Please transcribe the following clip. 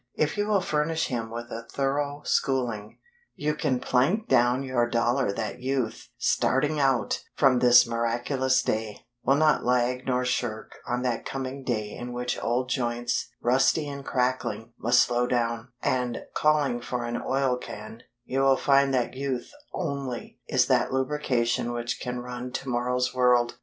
If you will furnish him with a thorough schooling, you can plank down your dollar that Youth, starting out from this miraculous day, will not lag nor shirk on that coming day in which old joints, rusty and crackling, must slow down; and, calling for an oil can, you will find that Youth only, is that lubrication which can run Tomorrow's World.